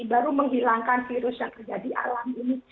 baru menghilangkan virus yang terjadi alam ini